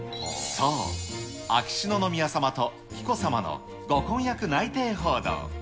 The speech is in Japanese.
そう、秋篠宮さまと紀子さまのご婚約内定報道。